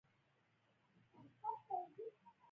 غوماشې د بخار او حرارت له مخې جذبېږي.